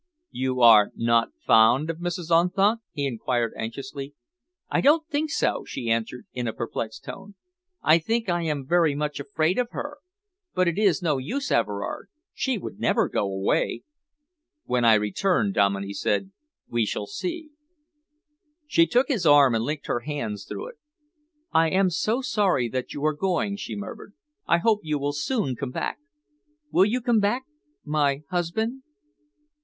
"You are not fond of Mrs. Unthank?" he enquired anxiously. "I don't think so," she answered, in a perplexed tone. "I think I am very much afraid of her. But it is no use, Everard! She would never go away." "When I return," Dominey said, "we shall see." She took his arm and linked her hands through it. "I am so sorry that you are going," she murmured. "I hope you will soon come back. Will you come back my husband?"